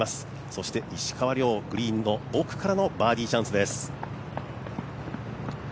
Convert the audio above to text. そして石川遼、グリーンの奥からのバーディーチャンスです。